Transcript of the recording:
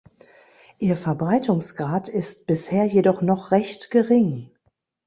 Ihr Verbreitungsgrad ist bisher jedoch noch recht gering.